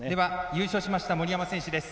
優勝しました森山選手です。